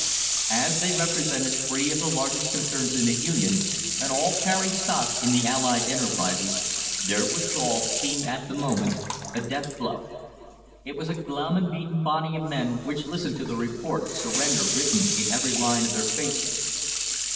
As they repre sented three of the largest concerns in the Union, and all car ried stock in the allied enterprises, their withdrawal seemed at the moment a death blow. It was a glum and beaten body of men which listened to the report, surrender written in every line of their faces.